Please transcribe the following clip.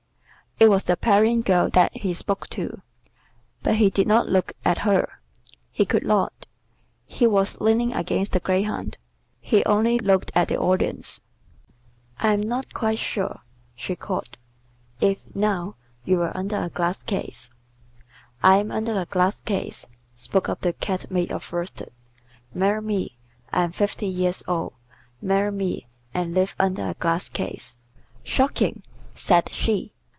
It was the Parian girl that he spoke to, but he did not look at her; he could not, he was leaning against the greyhound; he only looked at the Audience. "I am not quite sure," she coughed. "If, now, you were under a glass case." "I am under a glass case," spoke up the Cat made of worsted. "Marry me. I am fifty years old. Marry me, and live under a glass case." "Shocking!" said she.